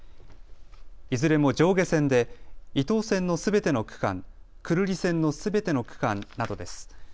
いずれも上下線で伊東線のすべての区間、久留里線のすべての区間などです。